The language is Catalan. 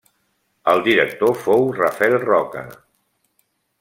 El director fou Rafael Roca.